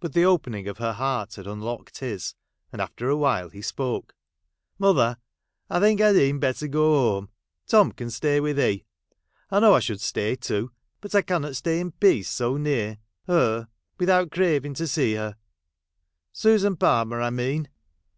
But the opening of her heart had unlocked his, and after a while he spoke. ' Mother ! I think I 'd e'en better go home. Tom can stay wi' thee. I know I should stay too, but I cannot stay in peace so near — her — without craving to see her — Susan Palmer I mean.'